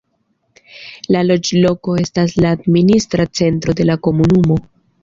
La loĝloko estas la administra centro de la komunumo.